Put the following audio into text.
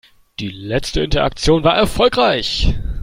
Die letzte Interaktion war erfolgreich.